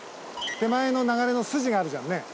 手前の流れの筋があるじゃんね。